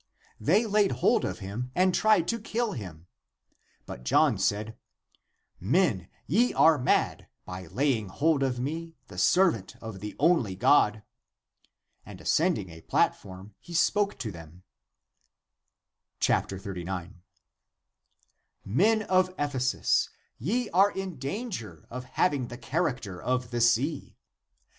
They laid hold of him and tried to kill him. But John said, " Men, ye are mad, by laying hold of me, the servant of the only God." And ascending a platform he spoke to them : 39. " Men of Ephesus, ye are in danger of hav ing the character of the sea.